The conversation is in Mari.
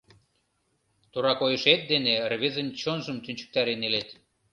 Тура койышет дене рвезын чонжым тӱнчыктарен илет».